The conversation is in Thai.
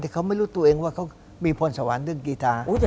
แต่เขาไม่รู้ตัวเองว่าเขามีพลสวรรค์เรื่องกีธารับรุ่งวง